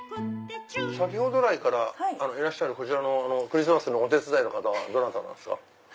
先ほどからいらっしゃるクリスマスのお手伝いの方はどなたなんですか？